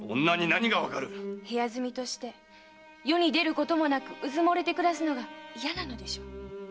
女に何がわかる⁉部屋住みとして世に出ることなく埋もれるのが嫌なのでしょう？